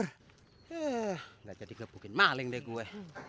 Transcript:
nggak jadi kepukin maling deh gue